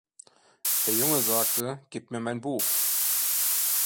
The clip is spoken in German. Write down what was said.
Der Junge sagte: „Gib mir mein Buch“.